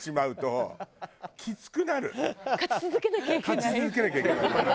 勝ち続けなきゃいけない。